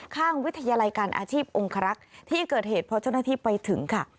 ข้างวิทยาลัยการอาชีพองครักษ์ที่เกิดเหตุพอเจ้าหน้าที่ไปถึงค่ะ